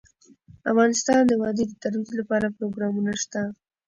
افغانستان د وادي د ترویج لپاره پروګرامونه لري.